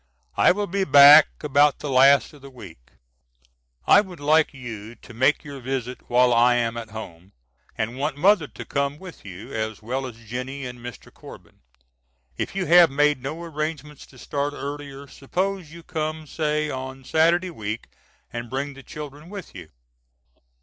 I will be back about the last of the week. I would like you to make your visit while I am at home, and want mother to come with you, as well as Jennie and Mr. Corbin. If you have made no arrangements to start earlier suppose you come say on Saturday week and bring the children with you.